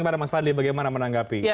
bagaimana mas fadli bagaimana menanggapi